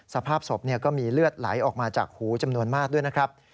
สภาพศพก็มีเลือดไหลออกมาจากหูจำนวนมากด้วยนะครับ